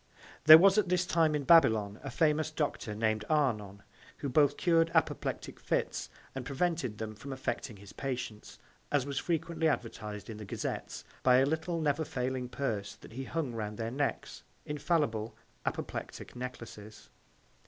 * There was at this Time in Babylon, a famous Doctor, nam'd Arnon, who both cur'd Apoplectic Fits, and prevented them from affecting his Patients, as was frequently advertiz'd in the Gazettes, by a little never failing Purse that he hung round their Necks.